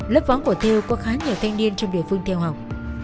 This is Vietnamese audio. lớp võ của thêu có khá nhiều thanh niên trong địa phương theo học